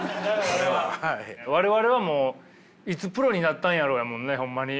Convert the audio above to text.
我々はもういつプロになったんやろうやもんねホンマに。